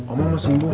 omah mau sembuh